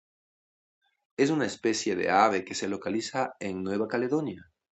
Es una especie de ave que se localiza en Nueva Caledonia.